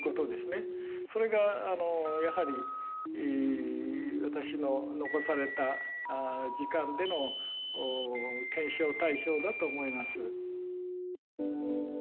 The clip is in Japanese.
それがやはり私の残された時間での検証対象だと思います。